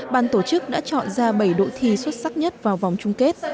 ban tổ chức đã chọn ra bảy đội thi xuất sắc nhất vào vòng chung kết